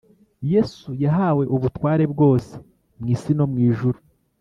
Yesu yahawe ubutware bwose mu isi no mu ijuru